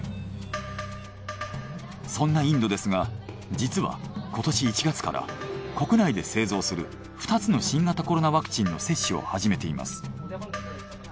そんなインドですが実は今年１月から国内で製造する２つの新型コロナワクチンの接種を始めています。